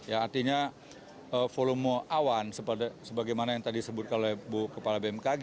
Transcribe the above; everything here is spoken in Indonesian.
artinya volume awan sebagaimana yang tadi disebutkan oleh bu kepala bmkg